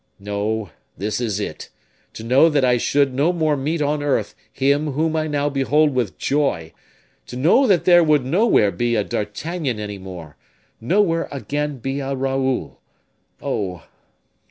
No, this is it to know that I should no more meet on earth him whom I now behold with joy; to know that there would nowhere be a D'Artagnan any more, nowhere again be a Raoul, oh!